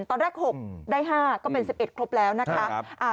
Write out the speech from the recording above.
ตอนแรก๖ได้๕ก็เป็น๑๑ครบแล้วนะคะ